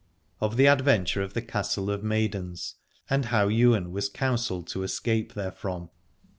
OF THE ADVENTURE OF THE CASTLE OF MAIDENS AND HOW YWAIN WAS COUN SELLED TO ESCAPE THEREFROM.